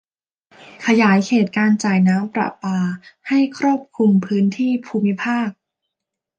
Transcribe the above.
ขยายเขตการจ่ายน้ำประปาให้ครอบคลุมพื้นที่ภูมิภาค